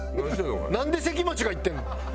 なんで関町が行ってんの？